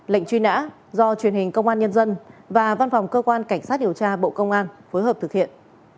lệnh truy nã do truyền hình công an nhân dân và văn phòng cơ quan cảnh sát điều tra bộ công an phối hợp thực hiện